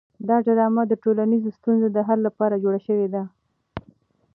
دا ډرامه د ټولنیزو ستونزو د حل لپاره جوړه شوې ده.